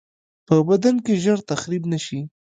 په بدن کې ژر تخریب نشي.